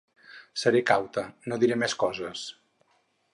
Seré cauta, no diré més coses.